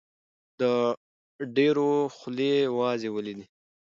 د ډېرو خولې وازې ولیدې.